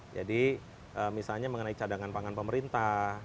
jadi misalnya mengenai cadangan pangan pemerintah